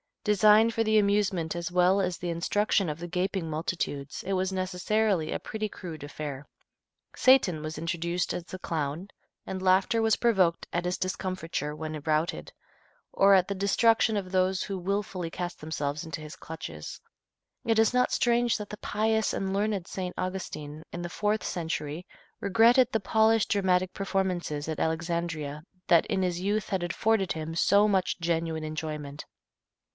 Designed for the amusement as well as the instruction of the gaping multitudes, it was necessarily a pretty crude affair. Satan was introduced as the clown, and laughter was provoked at his discomfiture when routed, or at the destruction of those who wilfully cast themselves into his clutches. It is not strange that the pious and learned St. Augustine, in the fourth century, regretted the polished dramatic performances at Alexandria that in his youth had afforded him so much genuine enjoyment.